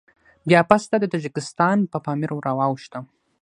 بيا پسته د تاجکستان په پامير راواوښتم.